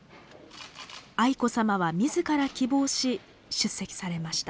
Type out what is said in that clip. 愛子さまは自ら希望し出席されました。